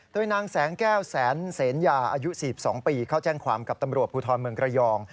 โดยนางแสงแก้วแสนเสนยาอายุ๔๒ปีเข้าแจ้งความกับตำรวจภูทรเมืองระยอง